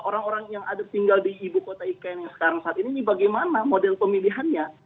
orang orang yang ada tinggal di ibu kota ikn yang sekarang saat ini bagaimana model pemilihannya